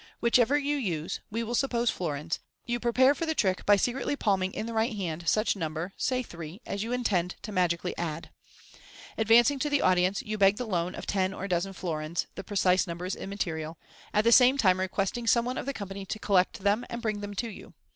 Whichever you use (we will suppose florins), you prepare for the trick by secretly palming in the right hand such number (say three) as you intend to magically add. Ad vancing to the audience, you beg the loan of ten or a dozen florins (the precise number is immaterial), at the same time requesting some one of the company to collect them, and bring them to you.